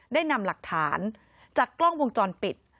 ได้นำหลักฐานจากกล้องวงจรปิด